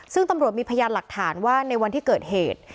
ซึ่งตำรวจมีพยานหลักฐานว่าในวันที่เกิดเหตุ